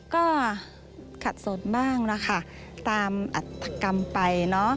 ก็ขัดโสดมากตามอัฐกรรมไป